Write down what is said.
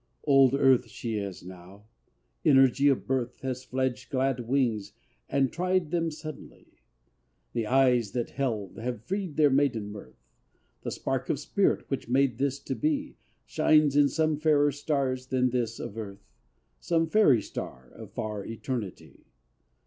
Old earth she is now: energy of birth Hath fledged glad wings and tried them suddenly: The eyes that held have freed their maiden mirth: The spark of spirit, which made this to be, Shines in some fairer star than this of Earth, Some Fairy star of far eternity.